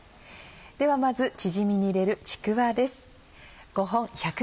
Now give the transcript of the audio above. ではまずチヂミに入れるちくわです。